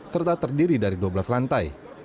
serta terdiri dari dua belas lantai